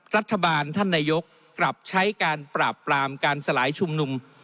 รัฐบาลท่านนายกกลับใช้การปราบปรามการสลายชุมนุม